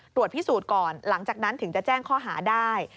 ตรวจพิสูจน์ก่อนหลังจากนั้นถึงจะแจ้งข้อหาได้